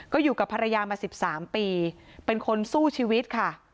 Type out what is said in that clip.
ก็อยู่กับภรรยามา๑๓ปีเป็นคนสู้ชีวิตค่ะ